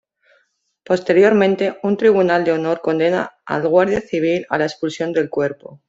Posteriormente, un tribunal de honor condena al guardia civil a la expulsión del cuerpo.